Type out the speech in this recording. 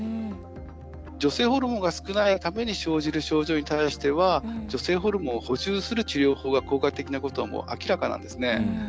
女性ホルモンが少ないために生じる症状に対しては女性ホルモンを補充する治療法が効果的なことはもう明らかなんですね。